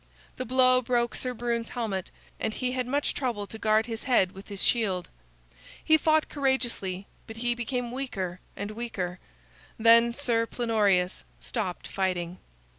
The blow broke Sir Brune's helmet, and he had much trouble to guard his head with his shield. He fought courageously, but he became weaker and weaker. Then Sir Plenorius stopped fighting.